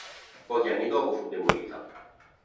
Pochi anni dopo fu demolita.